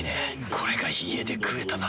これが家で食えたなら。